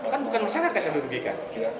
kan bukan masyarakat yang dirugikan